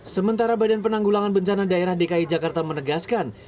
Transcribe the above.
sementara badan penanggulangan bencana daerah dki jakarta menegaskan